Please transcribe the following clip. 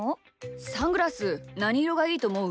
サングラスなにいろがいいとおもう？